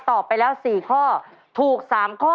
ตอบไปแล้ว๔ข้อถูก๓ข้อ